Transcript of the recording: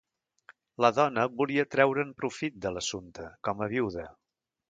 La dona volia treure'n profit de l'assumpte com a viuda.